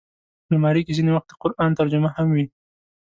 الماري کې ځینې وخت د قرآن ترجمه هم وي